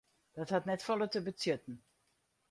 Dat hat net folle te betsjutten.